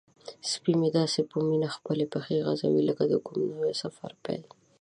سپی مې داسې په مینه خپلې پښې غځوي لکه د کوم نوي سفر پیل.